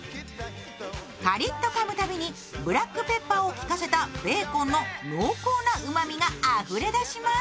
カリッとかむたびにブラックペッパーを効かせたベーコンの濃厚なうまみがあふれ出します。